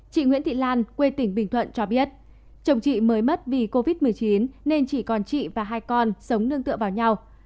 chị nguyễn thị lan quê tỉnh bình thuận cho biết chồng chị mới mất vì covid một mươi chín nên chỉ còn chị và hai con sống nương tựa vào nhau